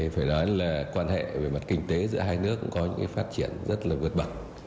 phải nói là quan hệ về mặt kinh tế giữa hai nước cũng có những phát triển rất là vượt bậc